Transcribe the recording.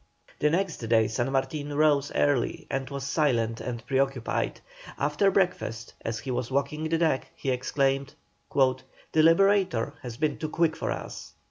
The next day San Martin rose early and was silent and pre occupied. After breakfast, as he was walking the deck, he exclaimed: "The Liberator has been too quick for us."